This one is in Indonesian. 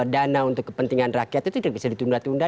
dana untuk kepentingan rakyat itu tidak bisa ditunda tunda